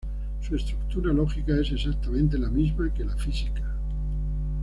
Su estructura lógica es exactamente la misma que la física.